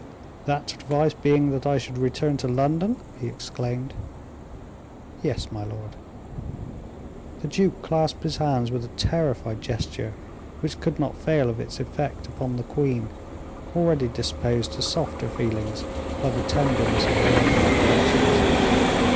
"That advice being that I should return to London?" he exclaimed. "Yes, my lord." The duke clasped his hands with a terrified gesture, which could not fail of its effect upon the queen, already disposed to softer feelings by the tenderness of her own recollections.